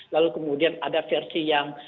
lalu kemudian ada versi yang